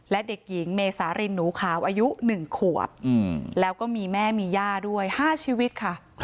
และเด็กหญิงเมสารินหนูขาวอายุ๑ขวบแล้วก็มีแม่มีย่าด้วย๕ชีวิตค่ะ